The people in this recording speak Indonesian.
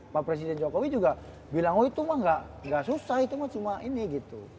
pak presiden jokowi juga bilang oh itu mah gak susah itu mah cuma ini gitu